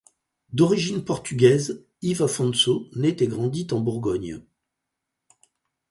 D’origine portugaise, Yves Afonso naît et grandit en Bourgogne.